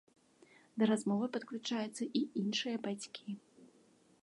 Да размовы падключаюцца і іншыя бацькі.